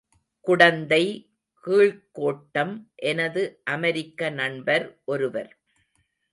குடந்தை கீழ்க்கோட்டம் எனது அமெரிக்க நண்பர் ஒருவர்.